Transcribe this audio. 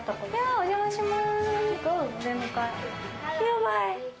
お邪魔します。